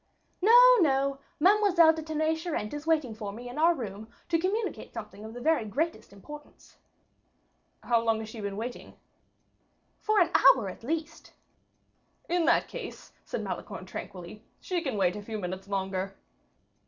"No, no; Mademoiselle de Tonnay Charente is waiting for me in our room to communicate something of the very greatest importance." "How long has she been waiting?" "For an hour at least." "In that case," said Malicorne, tranquilly, "she can wait a few minutes longer."